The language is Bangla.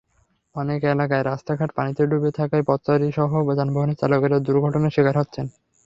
অনেক এলাকার রাস্তাঘাট পানিতে ডুবে থাকায় পথচারীসহ যানবাহনের চালকেরা দুর্ঘটনার শিকার হচ্ছেন।